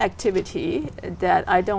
cơ hội tốt hơn